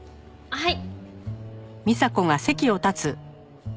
はい。